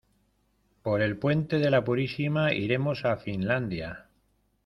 Por el puente de la Purísima iremos a Finlandia.